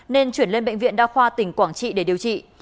nên chuyển lên bệnh viện đa khoa tỉnh quảng trị để điều trị